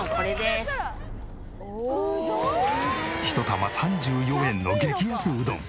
１玉３４円の激安うどん。